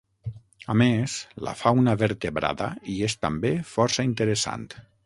A més, la fauna vertebrada hi és també força interessant.